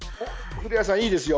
古谷さん、いいですよ。